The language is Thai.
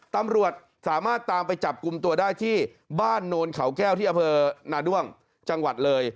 ตำรวจสามารถตามไปจับกลุ่มตัวได้ที่บ้านโนนเขาแก้วที่อำเภอนาด้วงจังหวัดเลย